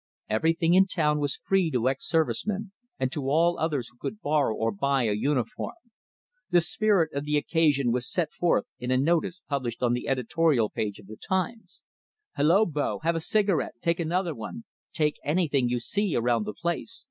Everything in town was free to ex service men and to all others who could borrow or buy a uniform. The spirit of the occasion was set forth in a notice published on the editorial page of the "Times": "Hello, bo! Have a cigarette. Take another one. Take anything you see around the place.